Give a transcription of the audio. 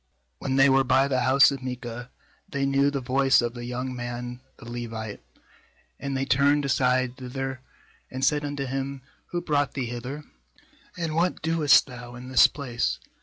3When they were by the house of Micah, they knew the voice of the young man the Levite; and they turned aside thither, and said unto him; 'Who brought thee hither? and what doest thou in this place?